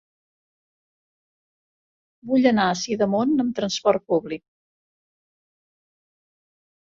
Vull anar a Sidamon amb trasport públic.